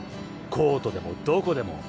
コートでもどこでも。